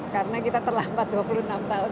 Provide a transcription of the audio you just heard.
karena kita terlambat dua puluh enam tahun